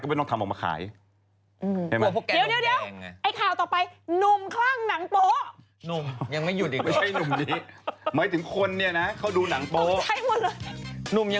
ก็ยันทำไมอันนี้มันไม่ใช่เปล่า